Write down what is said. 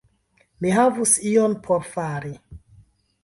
Mi havus ion por fari.